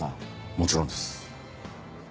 もちろんです。